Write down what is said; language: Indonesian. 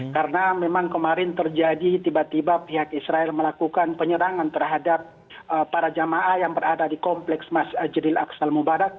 karena memang kemarin terjadi tiba tiba pihak israel melakukan penyerangan terhadap para jamaah yang berada di kompleks masjid al aqsal mubarak